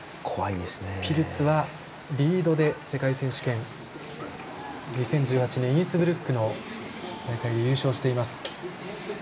ピルツはリードで世界選手権２０１８年の大会で優勝しています。